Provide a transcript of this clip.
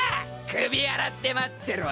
首洗って待ってろ。